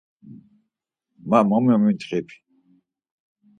Man mo memintxip!